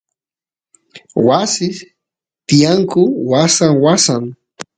wasis tiyanku wasan wasan